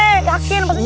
yakin pasti sampai